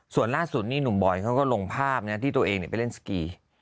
ส่วนล่าสุดนี่หนุ่มบอยเขาก็ลงภาพที่ตัวเองไปเล่นสกี